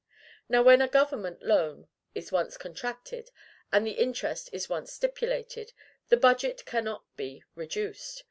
Now, when a governmental loan is once contracted, and the interest is once stipulated, the budget cannot be reduced.